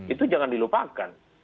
itu jangan dilupakan